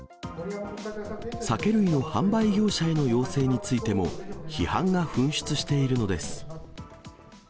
酒類の販売業者への要請についても、批判が噴出しているのです。